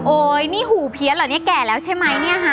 โอ๊ยนี่หูเพียสเหรอแก่แล้วใช่มั้ยเนี่ยฮะ